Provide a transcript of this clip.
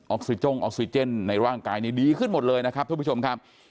ออกซิเจนในร่างกายดีขึ้นหมดเลยทุกผู้ชมครับ